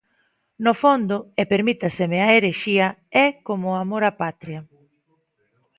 No fondo, e permítaseme a herexía, é como o amor á Patria.